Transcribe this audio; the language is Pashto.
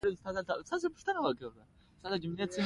په فېسبوک کې خلک د خپلو کلتورونو په اړه لیکنې کوي